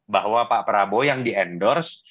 bahwa pak prabowo yang di endorse